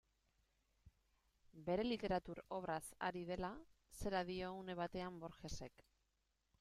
Bere literatur obraz ari dela, zera dio une batean Borgesek.